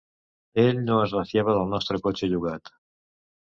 Ell no es refiava del nostre cotxe llogat.